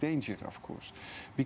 dan itu adalah bahaya besar